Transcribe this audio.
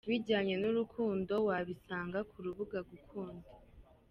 bijyanye n'urukundo wabisanga ku rubuga Gukunda.